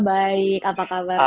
baik apa kabar